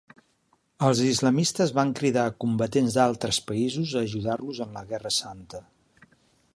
Els islamistes van cridar a combatents d'altres països a ajudar-los en la guerra santa.